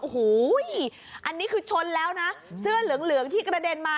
โอ้โหอันนี้คือชนแล้วนะเสื้อเหลืองเหลืองที่กระเด็นมา